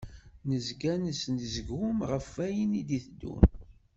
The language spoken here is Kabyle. Nezga nesnezgum ɣef wayen i d-iteddun.